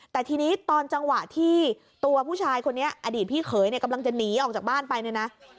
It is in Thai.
แต่ทีนี้ตอนจังหวะที่ตัวผู้ชายอดีตพี่เคยกำลังจะหนีออกจากบ้านจะบ้านไปนี่นะ